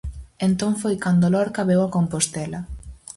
Entón foi cando Lorca veu a Compostela.